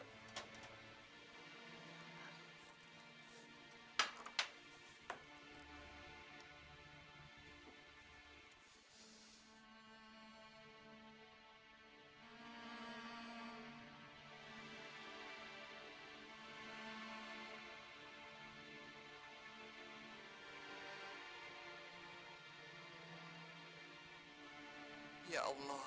hai ya allah